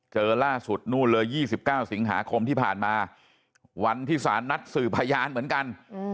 เจอล่าสุดนู่นเลย๒๙สิงหาคมที่ผ่านมาวันที่สารนัดสื่อพยานเหมือนกัน